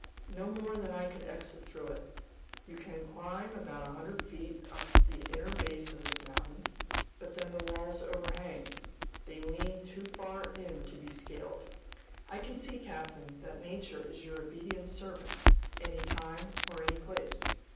"No more than I could exit through it. You can climb about 100 feet up the inner base of this mountain, but then the walls overhang, they lean too far in to be scaled." "I can see, captain, that nature is your obedient servant, any time or any place.